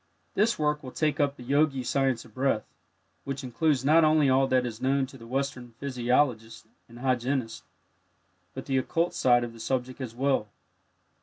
This work will take up the Yogi "Science of Breath," which includes not only all that is known to the Western physiologist and hygienist, but the occult side of the subject as well.